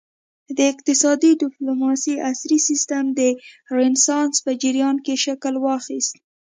د اقتصادي ډیپلوماسي عصري سیسټم د رینسانس په جریان کې شکل واخیست